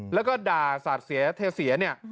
แล้วก็ด่าสาธิ์เศียเทศียเนี่ย